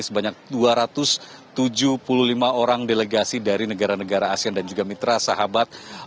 sebanyak dua ratus tujuh puluh lima orang delegasi dari negara negara asean dan juga mitra sahabat